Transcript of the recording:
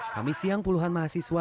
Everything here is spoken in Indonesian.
kami siang puluhan mahasiswa